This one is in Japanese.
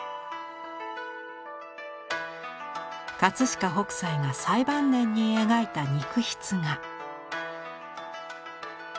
飾北斎が最晩年に描いた肉筆画。